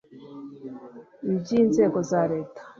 n iby inzego za leta